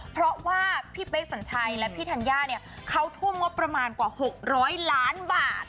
เพราะว่าพี่เป๊กสัญชัยและพี่ธัญญาเนี่ยเขาทุ่มงบประมาณกว่า๖๐๐ล้านบาท